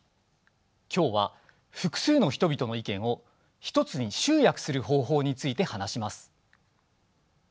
今日は複数の人々の意見を一つに集約する方法について話します。